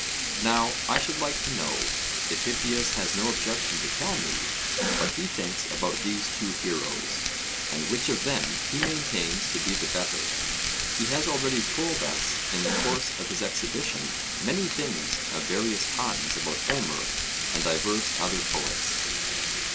Now, I should like to know, if Hippias has no objection to tell me, what he thinks about these two heroes, and which of them he maintains to be the better; he has already told us in the course of his exhibition many things of various kinds about Homer and divers other poets.